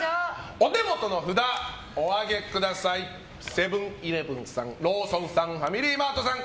お手元の札、お上げください！セブン‐イレブンさんローソンさんファミリーマートさん